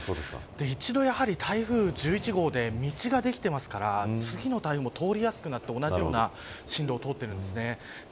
一度、やはり台風１１号で道ができていますから次の台風もとおりやすくなって同じような進路を通ってるんです。